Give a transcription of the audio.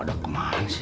ada kemana sih